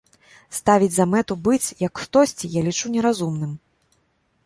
Ставіць за мэту быць, як хтосьці, я лічу неразумным.